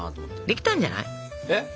できたんじゃない？